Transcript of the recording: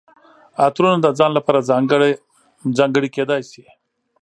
عطرونه د ځان لپاره ځانګړي کیدای شي.